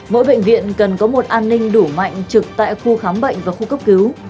mỗi bệnh viện cần có một an ninh đủ mạnh trực tại khu khám bệnh và khu cấp cứu